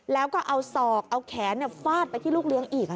แล้วก็เอาศอกเอาแขนฟาดไปที่ลูกเลี้ยงอีก